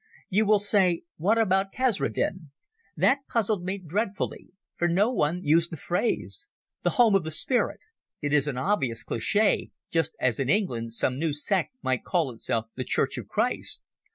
"You will say, what about Kasredin? That puzzled me dreadfully, for no one used the phrase. The Home of the Spirit! It is an obvious cliche, just as in England some new sect might call itself the Church of Christ.